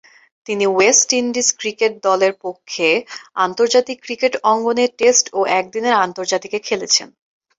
তিনি West Indies cricket দলের পক্ষে আন্তর্জাতিক ক্রিকেট অঙ্গনে টেস্ট ও একদিনের আন্তর্জাতিকে খেলেছেন।